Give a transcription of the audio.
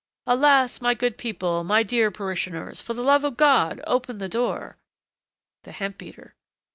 Alas! my good people, my dear parishioners, for the love of God open the door. THE HEMP BEATER.